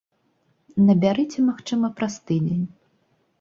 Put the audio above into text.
Набярыце, магчыма, праз тыдзень.